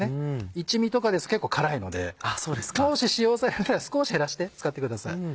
一味とかですと結構辛いのでもし使用される際は少し減らして使ってください。